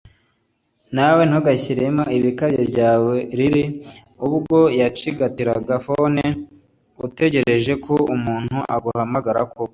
nawe ntugashyiremo ibikabyo byawe lili, ubwo wacigatira phone utegereje ko umuntu aguhamagara koko!